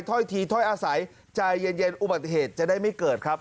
ถ้อยทีถ้อยอาศัยใจเย็นอุบัติเหตุจะได้ไม่เกิดครับ